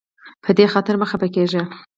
په دې خاطر مه خفه کیږه.